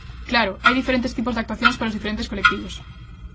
¡Claro!, hai diferentes tipos de actuacións para os diferentes colectivos.